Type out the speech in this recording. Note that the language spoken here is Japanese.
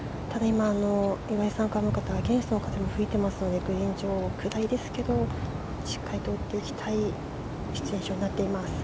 岩井さん、アゲンストの風が吹いていますのでグリーン上、下りですけどしっかりと打っていきたいシチュエーションになっています。